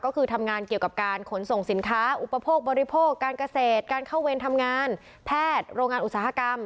ก็คือทำงานเกี่ยวกับการขนส่งสินค้าอุปโภคบริโภคการเกษตรการเข้าเวรทำงานแพทย์โรงงานอุตสาหกรรม